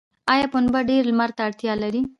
آیا پنبه ډیر لمر ته اړتیا لري؟